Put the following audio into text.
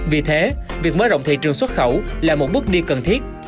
vì thế việc mở rộng thị trường xuất khẩu là một bước đi cần thiết